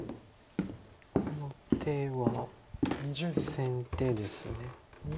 この手は先手です。